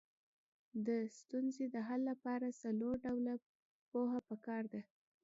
د ستونزې د حل لپاره څلور ډوله پوهه پکار ده.